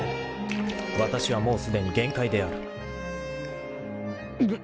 ［わたしはもうすでに限界である］